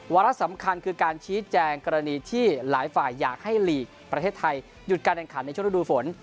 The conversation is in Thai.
ระสำคัญคือการชี้แจงกรณีที่หลายฝ่ายอยากให้ลีกประเทศไทยหยุดการแข่งขันในช่วงฤดูฝน